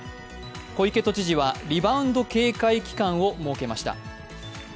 小池都知事はリバウンド警戒期間を設けました。